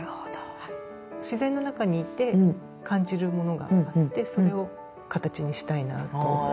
自然の中にいて感じるものがあってそれを形にしたいなと思って。